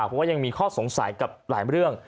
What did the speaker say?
เพราะว่ายังมีข้อสงสัยกับหลายเรื่อง